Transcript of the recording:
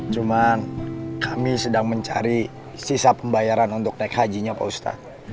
cuman kami sedang mencari sisa pembayaran untuk naik hajinya pak ustadz